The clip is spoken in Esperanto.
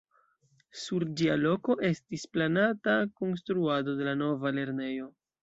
Sur ĝia loko estis planata konstruado de la nova lernejo.